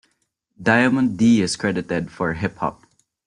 Diamond D is credited for "Hip Hop".